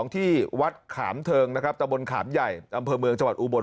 ที่วัดขามเทิงนะครับตะบนขามใหญ่อำเภอเมืองจังหวัดอุบล